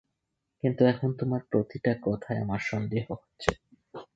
কিন্তু এখন তোমার প্রতিটা কথায় আমার সন্দেহ হচ্ছে।